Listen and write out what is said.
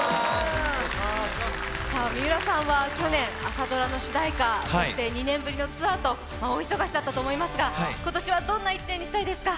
三浦さんは去年、朝ドラ主題歌、そして２年ぶりのツアーで大忙しだったと思いますが、今年はどんな１年にしたいですか？